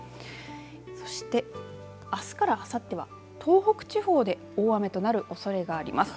そして、あすからあさっては東北地方で大雨となるおそれがあります。